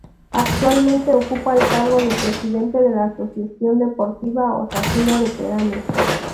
Actualmente ocupa el cargo de Presidente de la Asociación Deportiva Osasuna Veteranos.